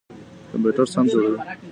کمپيوټر سند جوړوي.